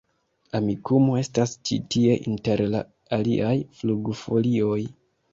Amikumu estas ĉi tie inter la aliaj flugfolioj